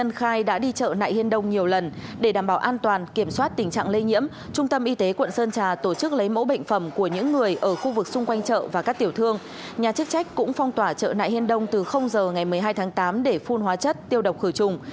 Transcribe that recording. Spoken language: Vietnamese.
nhà chức trách cũng phong tỏa chợ nại hiên đông từ giờ ngày một mươi hai tháng tám để phun hóa chất tiêu độc khử trùng